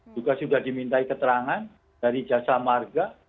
juga sudah dimintai keterangan dari jasa marga